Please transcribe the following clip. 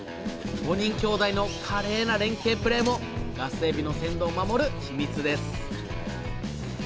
５人兄弟の華麗な連携プレーもガスエビの鮮度を守る秘密です！